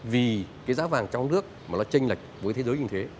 vì cái giá vàng trong nước mà nó tranh lệch với thế giới như thế